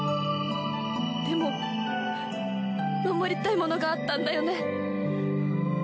でも守りたいものがあったんだよね。